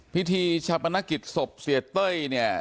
พิธีชาปนกิจศพเสียเต้ยเนี่ย